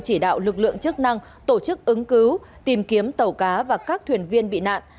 chỉ đạo lực lượng chức năng tổ chức ứng cứu tìm kiếm tàu cá và các thuyền viên bị nạn